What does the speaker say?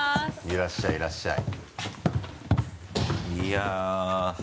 いらっしゃいいらっしゃい。